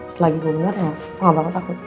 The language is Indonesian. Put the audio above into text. selagi gue bener ya gue gak bakal takut